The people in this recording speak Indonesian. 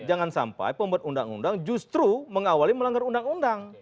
jangan sampai pembuat undang undang justru mengawali melanggar undang undang